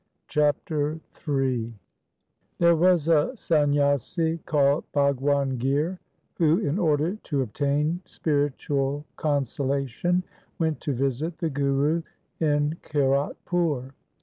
Chapter III There was a Sanyasi called Bhagwan Gir, who, in order to obtain spiritual consolation, went to visit the Guru in Kiratpur.